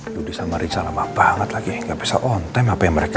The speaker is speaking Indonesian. ludhisa sama richa lama banget lagi gak bisa on time apa yang mereka